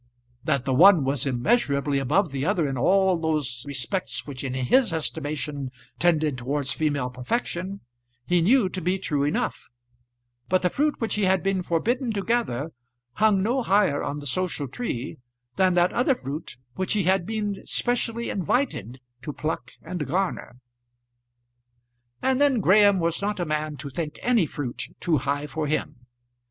That the one was immeasurably above the other in all those respects which in his estimation tended towards female perfection, he knew to be true enough; but the fruit which he had been forbidden to gather hung no higher on the social tree than that other fruit which he had been specially invited to pluck and garner. And then Graham was not a man to think any fruit too high for him.